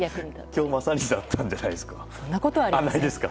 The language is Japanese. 今日、まさにやったんじゃないですか？